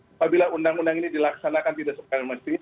apabila undang undang ini dilaksanakan tidak sempurna dan mesti